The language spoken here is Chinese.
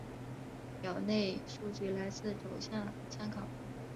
表内数据来自走向参考